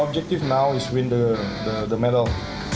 objektif kita sekarang adalah menang medal